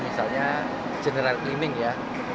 misalnya general cleaning ya